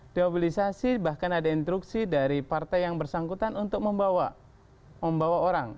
di mobilisasi bahkan ada instruksi dari partai yang bersangkutan untuk membawa orang